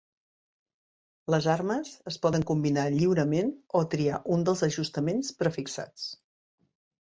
Les armes es poden combinar lliurement o triar un dels ajustaments prefixats.